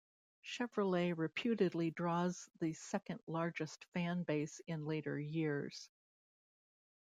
Chevrolet reputedly draws the second largest fan base in later years.